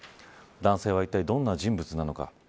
男性はいったいどんな人物なのか。